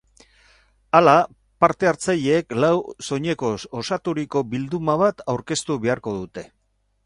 Hala, parte-hartzaileek lau soinekoz osaturiko bilduma bat aurkeztu beharko dute.